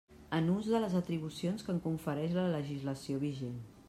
En ús de les atribucions que em confereix la legislació vigent.